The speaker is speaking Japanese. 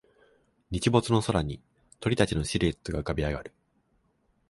日没の空に鳥たちのシルエットが浮かび上がる